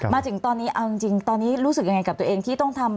มาถึงตอนนี้เอาจริงตอนนี้รู้สึกยังไงกับตัวเองที่ต้องทำ